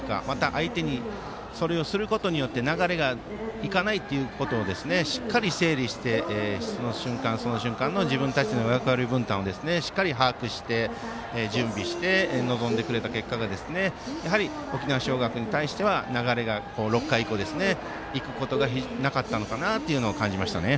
相手にそれをすることによって流れがいかないということをしっかり整理してその瞬間の自分の役割分担をしっかり把握して、準備して臨んでくれた結果がやはり沖縄尚学に対しては流れが６回以降いくことがなかったのかなと感じましたね。